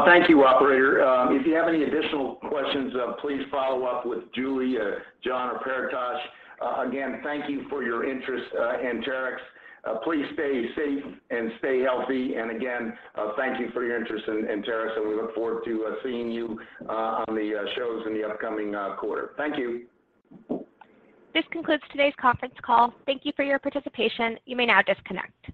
Thank you, operator. If you have any additional questions, please follow up with Julie or John or Paretosh. Again, thank you for your interest in Terex. Please stay safe and stay healthy. Again, thank you for your interest in Terex, and we look forward to seeing you on the shows in the upcoming quarter. Thank you. This concludes today's conference call. Thank you for your participation. You may now disconnect.